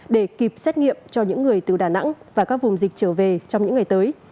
để kịp xét nghiệm cho những người từ đà nẵng và các vùng dịch trở về trong những ngày tới